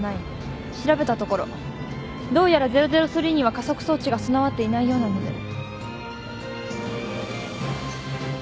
調べたところどうやら００３には加速装置が備わっていないようなので。